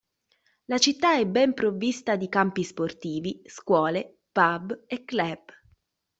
La città è ben provvista di campi sportivi, scuole, pub e club.